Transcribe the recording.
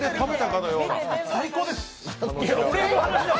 最高です！